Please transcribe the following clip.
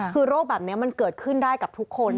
คือโรคแบบนี้มันเกิดขึ้นได้กับทุกคน